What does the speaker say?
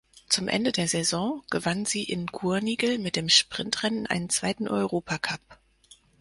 Zum Ende der Saison gewann sie in Gurnigel mit dem Sprintrennen einen zweiten Europacup.